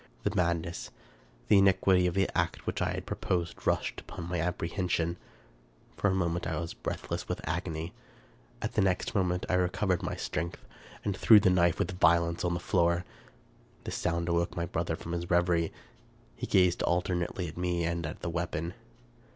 The madness, the iniquity, of that act which I had purposed rushed upon my apprehension. For a mo ment I was breathless with agony. At the next moment I recovered my strength, and threw the knife with violence on the floor. The sound awoke my brother from his reverie. He gazed alternately at me and at the weapon.